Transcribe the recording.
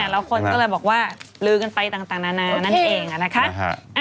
แล้วคนก็เลยบอกว่าลือกันไปต่างนานานั่นเองนะคะ